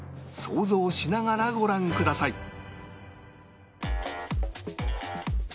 想像しながらご覧ください